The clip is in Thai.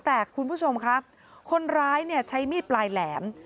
แต่คุณผู้ชมครับคนร้ายเนี่ยใช้มีดปลายแหลม